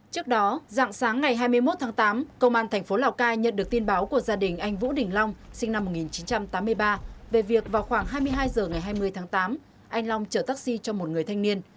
trước đó dạng sáng ngày hai mươi một tháng tám công an thành phố lào cai nhận được tin báo của gia đình anh vũ đình long sinh năm một nghìn chín trăm tám mươi ba về việc vào khoảng hai mươi hai h ngày hai mươi tháng tám anh long chở taxi cho một người thanh niên